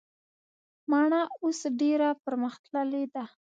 مڼه اوس ډیره پرمختللي ده